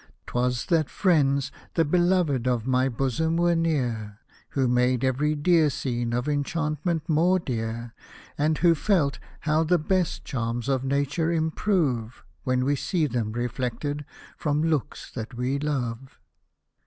'Twas that friends, the beloved of my bosom, were near, Who made every dear scene of enchantment more dear. And who felt how the best charms of nature improve, When we see them reflected from looks that we love.